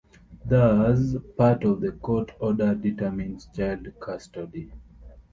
Thus, part of the court order determines child custody.